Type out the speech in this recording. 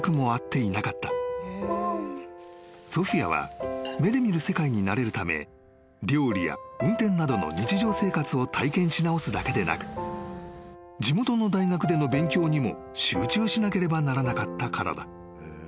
［ソフィアは目で見る世界に慣れるため料理や運転などの日常生活を体験し直すだけでなく地元の大学での勉強にも集中しなければならなかったからだ］